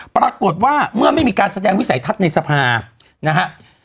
ปรากฏว่าเมื่อไม่มีการแสดงวิสัยทัศน์ในสภานะฮะ